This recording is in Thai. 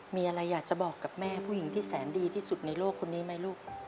มีอะไรอยากจะบอกกับแม่ผู้หญิงที่แสนดีที่สุดในโลกคนนี้ไหมลูก